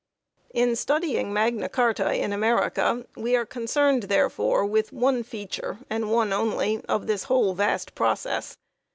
In studying Magna Carta in America we are concerned, therefore, with one feature and one only, of this whole vast process.